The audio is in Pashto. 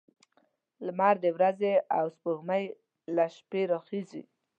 لمر د ورځې او سپوږمۍ له شپې راخيژي